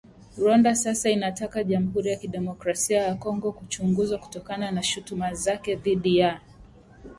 Rwanda sasa inataka Jamhuri ya Kidemokrasia ya Kongo kuchunguzwa kutokana na shutuma zake dhidi ya Rwanda.